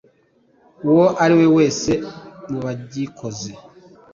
uwo ari we wese mu bagikoze